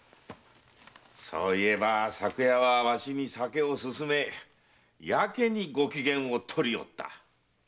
そういえば昨夜はわしに酒を勧めやけにご機嫌をとりおった。